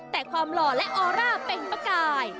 แต่ความหล่อและออร่าเป็นประกาย